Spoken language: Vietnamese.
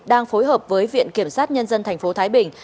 đang phối hợp với viện kiểm sát nhân dân thành phố thái bình